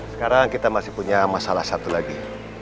sekarang kita masih punya masalah satu lagi